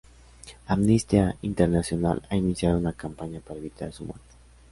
Amnistía Internacional ha iniciado una campaña para evitar su muerte.